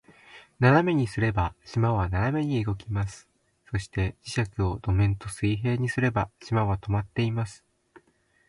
斜めにすれば、島は斜めに動きます。そして、磁石を土面と水平にすれば、島は停まっています。